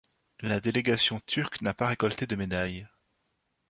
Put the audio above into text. La délégation turque n'a pas récolté de médaille.